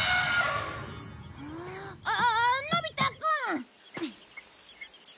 ああのび太くん！